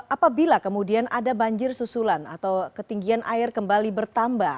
apabila kemudian ada banjir susulan atau ketinggian air kembali bertambah